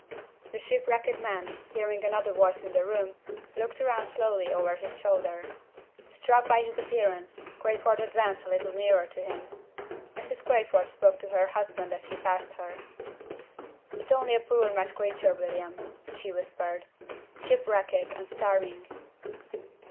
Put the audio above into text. The shipwrecked man, hearing another voice in the room, looked round slowly over his shoulder. Struck by his appearance, Crayford advanced a little nearer to him. Mrs. Crayford spoke to her husband as he passed her. "It's only a poor, mad creature, William," she whispered "shipwrecked and starving."